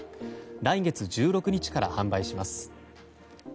来月１６日から販売します。